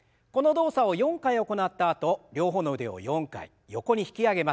この動作を４回行ったあと両方の腕を４回横に引き上げます。